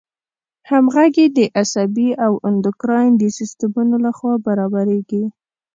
همغږي د عصبي او اندوکراین د سیستمونو له خوا برابریږي.